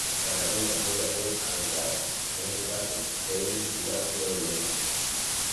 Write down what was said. La carrera vuelve a ser acortada, en este caso se deben disputar nueve vueltas.